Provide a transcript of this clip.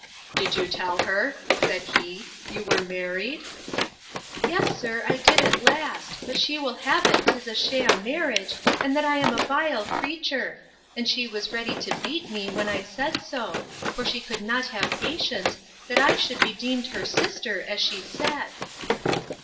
Did you tell her, said he, you were married? Yes, sir, I did at last; but she will have it 'tis a sham marriage, and that I am a vile creature: and she was ready to beat me, when I said so: for she could not have patience, that I should be deemed her sister, as she said.